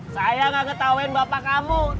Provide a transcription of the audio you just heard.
saya gak ketawain bapak gue